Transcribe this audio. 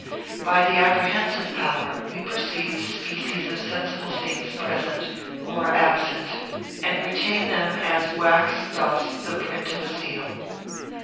By the apprehensive power we perceive the species of sensible things present, or absent, and retain them as wax doth the print of a seal.